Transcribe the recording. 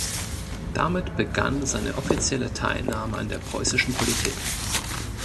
Damit begann seine offizielle Teilnahme an der preußischen Politik.